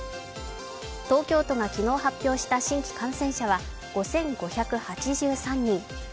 東京都が昨日発表した新規感染者は５５８３人。